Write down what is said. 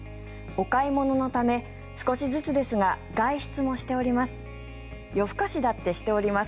お買い物のため、少しずつですが外出もしております。